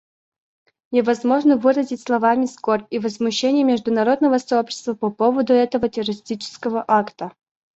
Невозможно выразить словами скорбь и возмущение международного сообщества по поводу этого террористического акта.